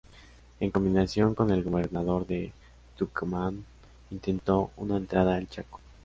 En combinación con el gobernador de Tucumán intentó una entrada al Chaco.